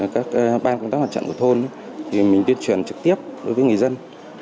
các ban công tác mặt trận của thôn thì mình tuyên truyền trực tiếp đối với người dân